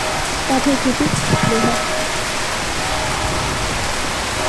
কাঠের খুঁটি, কাঠ, লোহা, জিআই তারের বন্ধনে সেতুটি তার রূপ পেতে থাকে।